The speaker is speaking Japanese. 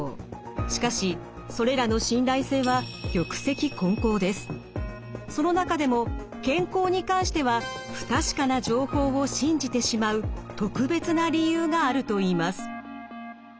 しかしそれらの信頼性はその中でも健康に関しては不確かな情報を信じてしまう特別な理由があるといいます。